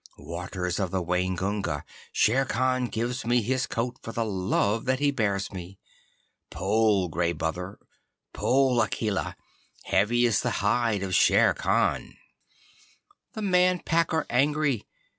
Waters of the Waingunga, Shere Khan gives me his coat for the love that he bears me. Pull, Gray Brother! Pull, Akela! Heavy is the hide of Shere Khan. The Man Pack are angry.